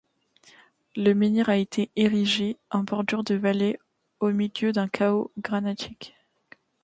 Le menhir a été érigé en bordure de vallée au milieu d'un chaos granitique.